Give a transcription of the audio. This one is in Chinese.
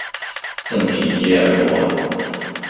圣皮耶尔布瓦。